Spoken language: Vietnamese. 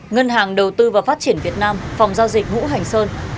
ngân hàng đầu tư và phát triển việt nam phòng giao dịch ngũ hành sơn